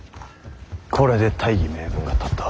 これで大義名分が立った。